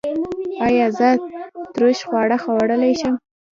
ایا زه ترش خواړه خوړلی شم؟